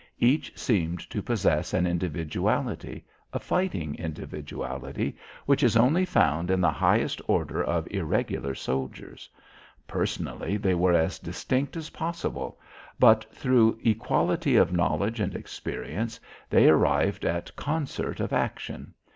Each seemed to possess an individuality, a fighting individuality, which is only found in the highest order of irregular soldiers. Personally they were as distinct as possible, but through equality of knowledge and experience, they arrived at concert of action.